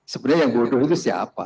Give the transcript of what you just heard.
sebenarnya yang bodoh itu siapa